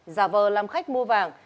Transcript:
giả vờ làm khách mua vàng